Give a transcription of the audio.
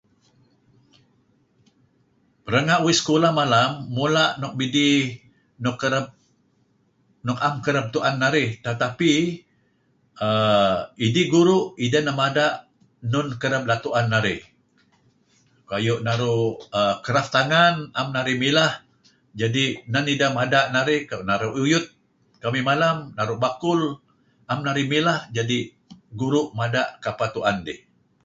ranga uih sekulah malem mula nuk midih nuk kerab nuk naam kerab tu'en narih tetapi um idih guru ideh nebada nun kereb la tu'en narih kayu' naru' kraft tangan am mileh jadi neh ideh nebada nuk naru uyut kamih malem naru bakul naam narih mileh jadi guru mada kapeh tu'en dih